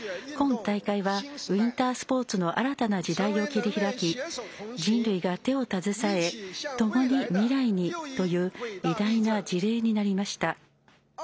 今大会はウインタースポーツの新たな時代を切り開き人類が手を携え「ともに未来へ」という偉大な事例になりました。